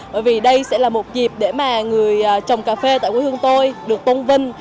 bởi vì đây sẽ là một dịp để mà người trồng cà phê tại quê hương tôi được tôn vinh